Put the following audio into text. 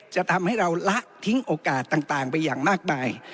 จะทำให้เราละทิ้งโอกาสต่างไปอย่างมากมาย